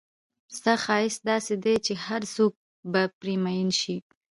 ستا ښایست داسې دی چې هرڅوک به پر مئین شي.